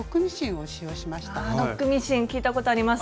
ロックミシン聞いたことあります。